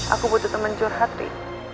aku butuh temen curhat ri